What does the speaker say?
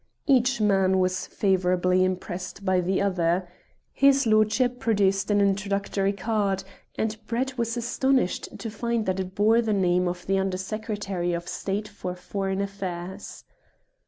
Each man was favourably impressed by the other. His lordship produced an introductory card, and Brett was astonished to find that it bore the name of the Under Secretary of State for Foreign Affairs.